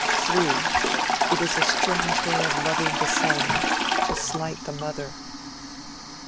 (3) It is a strange way of loving the Son to slight the mother!'